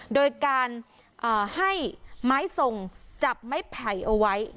โดยการให้ไม้ทรงจับไม้ไผ่เอาไว้